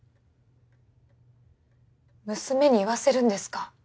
娘に言わせるんですか？